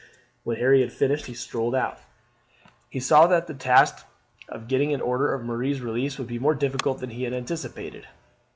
When Harry had finished he strolled out. He saw that the task of getting an order for Marie's release would be more difficult than he had anticipated.